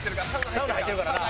サウナ入ってるからな。